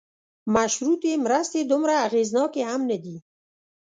مشروطې مرستې دومره اغېزناکې هم نه دي.